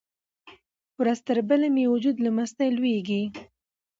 ورځ تر بلې مې وجود له مستۍ لویږي.